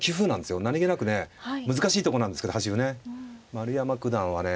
丸山九段はね